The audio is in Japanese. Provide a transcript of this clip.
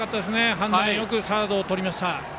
判断よくサードをとりました。